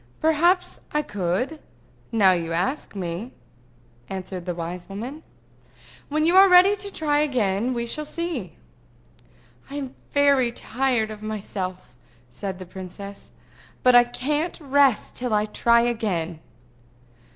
"Perhaps I could, now you ask me," answered the wise woman. "When you are ready to try again, we shall see." "I am very tired of myself," said the princess. "But I can't rest till I try again."